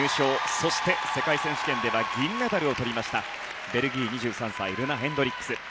そして世界選手権では銀メダルをとりましたベルギー、２３歳ルナ・ヘンドリックス。